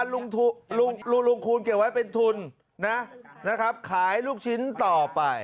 ๒๐๐๐ลุงคูณเกี่ยวไว้เป็นทุนนะนะครับขายลูกชิ้นต่อไป